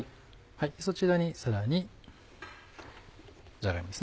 そちらにさらにじゃが芋ですね。